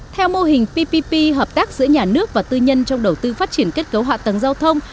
theo mô hình ppp hợp tác giữa nhà nước và tư nhân trong đầu tư phát triển kết cấu hạ tầng giao thông